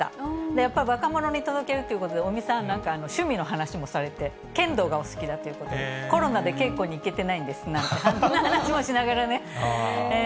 やっぱり若者に届けるっていうことで、尾身さん、趣味の話もされて、剣道がお好きだということで、コロナで稽古に行けてないんですなんてっていう話もしながらね。